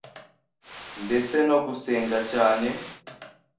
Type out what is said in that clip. ndetse no gusenga cyane